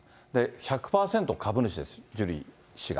１００％株主です、ジュリー氏が。